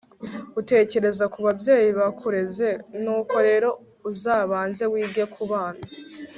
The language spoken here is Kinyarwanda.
utekereza kubabyeyi bakureze nuko rero uzabanze wige kubana